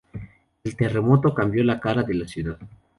El terremoto cambió la cara de la ciudad.